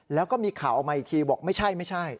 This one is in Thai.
แล้วก็มีข่าวออกมาอีกทีบอกไม่ใช่ไม่ใช่